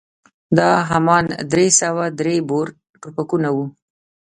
دا همان درې سوه درې بور ټوپکونه وو.